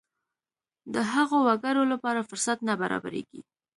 د هغو وګړو لپاره فرصت نه برابرېږي.